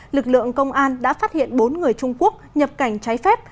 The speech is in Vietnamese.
lực lượng công an đã phát hiện bốn người trung quốc nhập cảnh trái phép